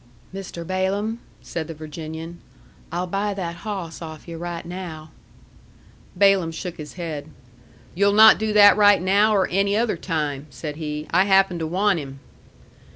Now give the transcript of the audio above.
"Mr. Balaam," said the Virginian, "I'll buy that hawss off yu' right now." Balaam shook his head. "You'll not do that right now or any other time," said he. "I happen to want him."